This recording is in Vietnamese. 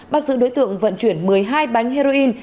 bắt giữ đối tượng vận chuyển một mươi hai bánh heroin